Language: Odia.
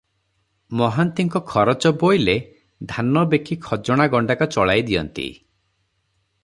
ମହାନ୍ତିଙ୍କ ଖରଚ ବୋଇଲେ, ଧାନ ବିକି ଖଜଣା ଗଣ୍ଡାକ ଚଳାଇ ଦିଅନ୍ତି ।